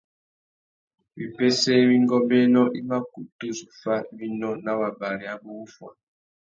Wipêssê iwí ngôbēnô i mà kutu zu fá winô nà wabari abú wuffuá.